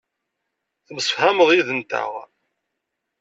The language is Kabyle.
Temsefhameḍ yid-nteɣ.